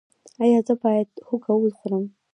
ایا زه باید هوږه وخورم؟